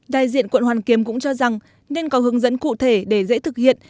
đại diện quận hoàn kiếm cũng cho rằng nên có hướng dẫn cụ thể để dễ thực hiện